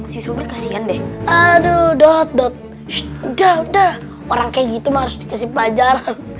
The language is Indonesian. si sobri kasihan deh aduh dot dot udah udah orang kayak gitu harus dikasih pelajaran